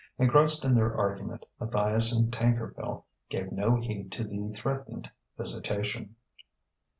Engrossed in their argument, Matthias and Tankerville gave no heed to the threatened visitation.